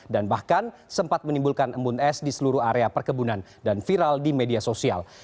dan bahkan sempat menimbulkan embun es di seluruh area perkebunan dan viral di media sosial